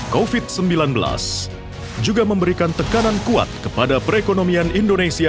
covid sembilan belas juga memberikan tekanan kuat kepada perekonomian indonesia dua ribu dua puluh